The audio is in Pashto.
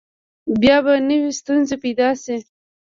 بیا به نوي ستونزې پیدا شي.